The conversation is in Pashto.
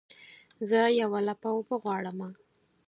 زه یوه لپه اوبه غواړمه